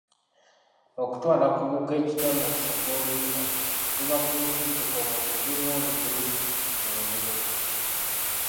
Okutwala ku buko ekita nga kiseka oluyina luba kubikukujju, ng'omuziŋoonyo guli ku ngulu.